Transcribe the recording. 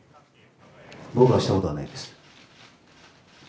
僕がしたことはないです。